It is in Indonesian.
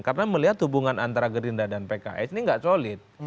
karena melihat hubungan antara gerindra dan pks ini nggak solid